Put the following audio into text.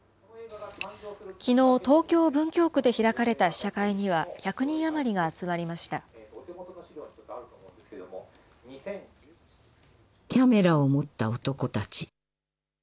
きのう、東京・文京区で開かれた試写会には１００人余りが集キャメラを持った男たち。